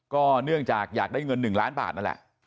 ก็เนื่องจากอยากได้เงิน๑ล้านบาทนั่นแหละ